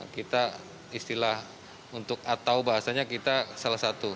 kita istilah untuk atau bahasanya kita salah satu